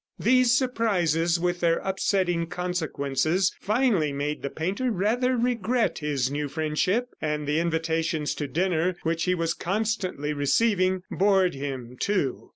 These surprises, with their upsetting consequences, finally made the painter rather regret this new friendship; and the invitations to dinner which he was constantly receiving bored him, too.